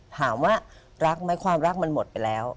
ถามว่ารักไหมความรักมันหมดไปแล้ว